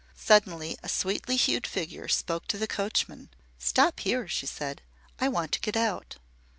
Suddenly a sweetly hued figure spoke to the coachman. "Stop here," she said. "I want to get out."